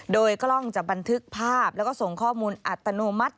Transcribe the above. โดยกล้องจะบันทึกภาพแล้วก็ส่งข้อมูลอัตโนมัติ